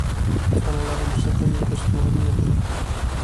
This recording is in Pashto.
کاناډا د موسیقۍ فستیوالونه لري.